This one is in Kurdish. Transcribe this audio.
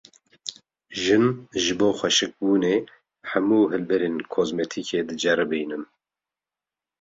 Jin, ji bo xweşikbûnê hemû hilberên kozmetîkê diceribînin